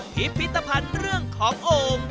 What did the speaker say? พิพิธภัณฑ์เรื่องของโอ่ง